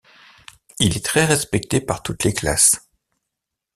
Il est très respecté par toutes les classes.